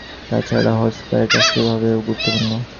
তা ছাড়া হজ ফ্লাইট রাষ্ট্রীয়ভাবেও গুরুত্বপূর্ণ।